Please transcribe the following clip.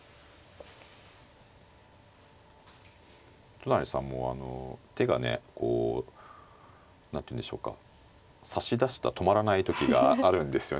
糸谷さんも手がねこう何ていうんでしょうか指しだしたら止まらない時があるんですよね。